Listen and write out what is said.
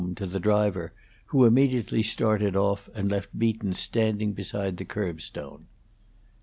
to the driver, who immediately started off and left Beaton standing beside the curbstone.